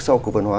sau cuộc vận hóa